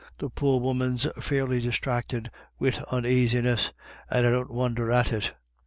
The poor woman's fairly disthracted wid onaisiness, and I don't wonder at it.